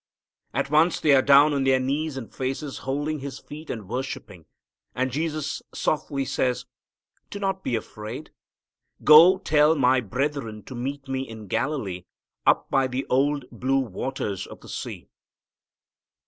At once they are down on their knees and faces, holding His feet and worshipping. And Jesus softly says, "Do not be afraid. Go tell my brethren to meet Me in Galilee, up by the old blue waters of the sea."